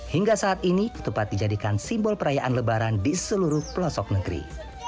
hingga saat ini ketupat dijadikan simbol perayaan lebaran di seluruh pelosok negeri